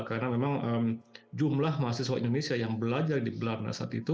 karena memang jumlah mahasiswa indonesia yang belajar di belanda saat itu